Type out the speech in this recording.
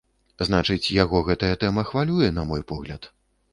Значыць, яго гэтая тэма хвалюе, на мой погляд.